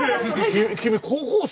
き君高校生？